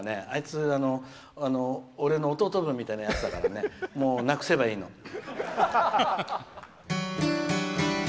あいつ俺の弟みたいなやつだからもう、なくせばいいの。